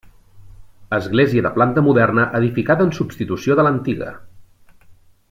Església de planta moderna edificada en substitució de l'antiga.